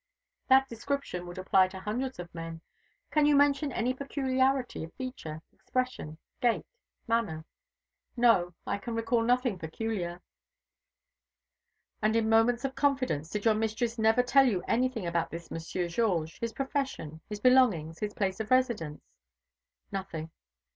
"That description would apply to hundreds of men. Can you mention any peculiarity of feature, expression, gait, manner?" "No, I can recall nothing peculiar." "And in moments of confidence did your mistress never tell you anything about this Monsieur Georges, his profession, his belongings, his place of residence?" "Nothing."